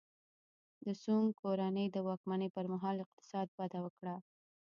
د سونګ کورنۍ د واکمنۍ پرمهال اقتصاد وده وکړه.